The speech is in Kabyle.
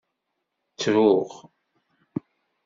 Ttruɣ.